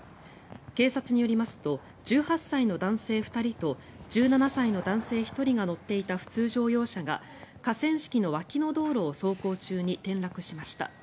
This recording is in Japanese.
警察によりますと１８歳の男性２人と１７歳の男性１人が乗っていた普通乗用車が河川敷の脇の道路を走行中に転落しました。